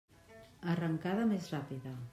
Arrencada més ràpida.